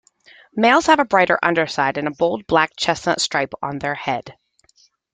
Males have a brighter underside and bold black and chestnut stripes on their head.